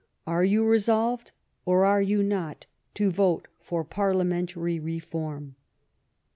Are you resolved, or are you not, to vote for Parliamentary Reform